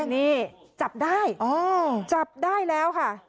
นี่จับได้จับได้แล้วค่ะ